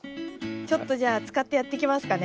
ちょっとじゃあ使ってやっていきますかね。